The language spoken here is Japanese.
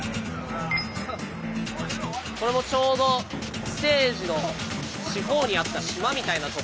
これもちょうどステージの四方にあった島みたいなとこの。